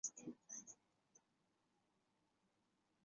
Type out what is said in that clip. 玛姬是一个十几岁的不良少女。